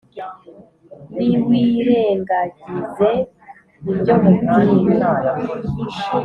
miwirengagize ibyo nkubwiye